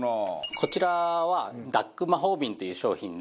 こちらはＤＵＫＫ魔法瓶という商品で。